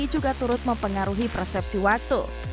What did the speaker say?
juga turut mempengaruhi persepsi waktu